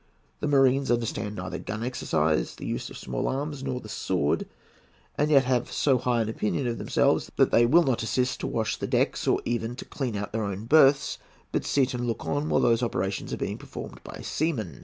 The marines understand neither gun exercise, the use of small arms, nor the sword, and yet have so high an opinion of themselves that they will not assist to wash the decks, or even to clean out their own berths, but sit and look on whilst these operations are being performed by seamen.